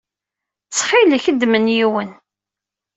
Ttxil-k ddem-n yiwen.